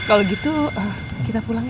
iya bang des ujar allah